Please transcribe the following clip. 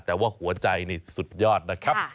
แต่ว่าหัวใจนี่สุดยอดนะครับ